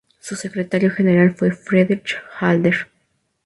Su secretario general fue Friedrich Adler.